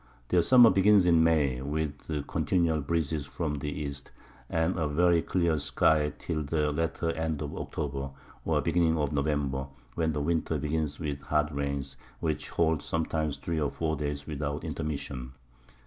Their Summer begins in May, with continual Breezes from the East, and a very clear Sky till the latter End of October, or Beginning of November, when the Winter begins with hard Rains, which holds sometimes 3 or 4 Days without Intermission.